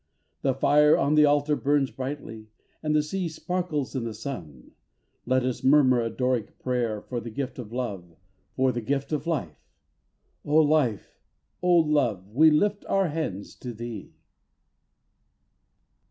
The fire on the altar burns brightly, And the sea sparkles in the sun. Let us murmur a Doric prayer For the gift of love, For the gift of life, Oh Life! Oh Love! We lift our hands to thee!